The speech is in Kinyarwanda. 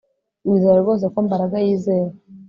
Wizera rwose ko Mbaraga yizewe